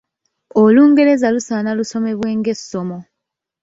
“Olungereza lusaana lusomesebwe ng’essomo